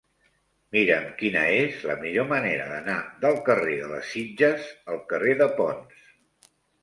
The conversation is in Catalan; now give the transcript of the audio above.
Mira'm quina és la millor manera d'anar del carrer de les Sitges al carrer de Ponts.